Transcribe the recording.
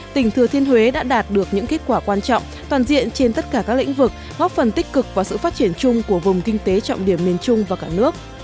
tỉnh thừa thiên huế đã đạt được những kết quả quan trọng toàn diện trên tất cả các lĩnh vực góp phần tích cực và sự phát triển chung của vùng kinh tế trọng điểm miền trung và cả nước